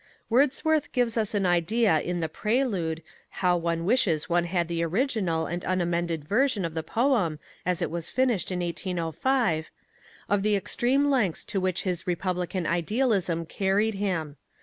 Wordsworth gives us an idea in The Prelude how one wishes one had the original and unamended version of the poem as it was finished in 1805! of the extreme lengths to which his Republican idealism carried him.